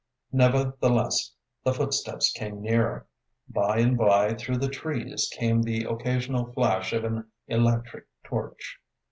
Nevertheless, the footsteps came nearer. By and by, through the trees, came the occasional flash of an electric torch.